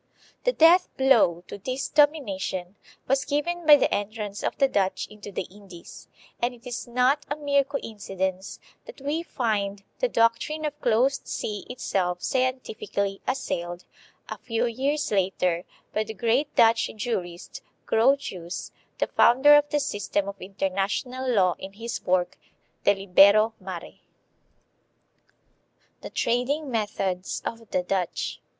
The death blow to this domination was given by the entrance of the Dutch into the Indies, and it is not a mere coinci dence that we find the doctrine of closed sea itself scien tifically assailed, a few years later, by the great Dutch jurist, Grotius, the founder of the system of international law in his work, De Libero Mare. The Trading Methods of the Dutch.